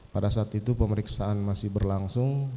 pada saat itu pemeriksaan masih berlangsung